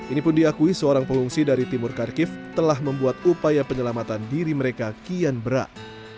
ini pun diakui seorang pengungsi dari timur kharkiv telah membuat upaya penyelamatan diri mereka kian berat